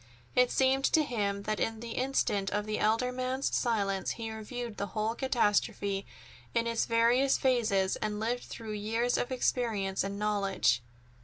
It seemed to him that in the instant of the elder man's silence he reviewed the whole catastrophe in its various phases and lived through years of experience and knowledge.